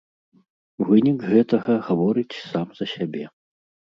Вынік гэтага гаворыць сам за сябе.